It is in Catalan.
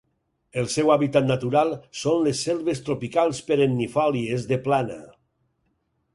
El seu hàbitat natural són les selves tropicals perennifòlies de plana.